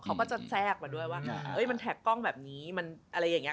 เขาก็จะแทรกมาด้วยว่ามันแท็กกล้องแบบนี้มันอะไรอย่างนี้